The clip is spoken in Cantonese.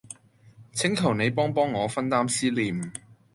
請求你幫幫我分擔思念